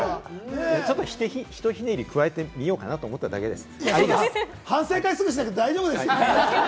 ちょっと、ひとひねり加えてみようかなと思っただけです。